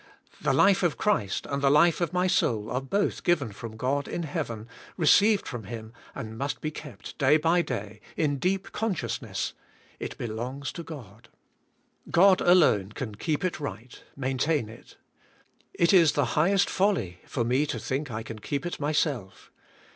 The life of Christ and the life of my soul are both given from God in heaven, received from Him, and must be kept day by day, in deep consciousness, it belongs to God. God, alone, can keep it right, maintain it. It is the highest folly for me to think I can keep it myself.